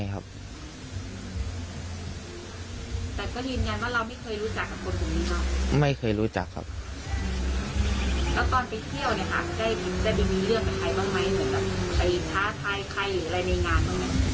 เหมือนแบบไปท้าไทยใครอยู่อะไรในงานตรงนั้น